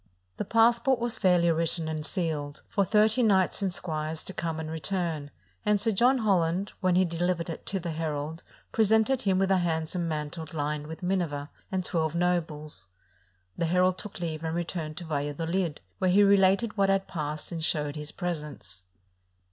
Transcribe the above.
The passport was fairly written and sealed, for thirty knights and squires to come and return; and Sir John Holland, when he delivered it to the herald, presented him with a handsome mantle lined with a minever, and twelve nobles. The herald took leave and returned to Valladolid, where he related what had passed, and showed his presents.